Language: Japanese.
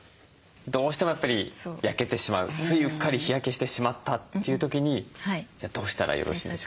どうしてもやっぱり焼けてしまうついうっかり日焼けしてしまったという時にじゃあどうしたらよろしいでしょうか？